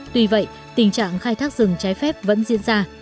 tuy vậy tình trạng khai thác rừng trái phép vẫn diễn ra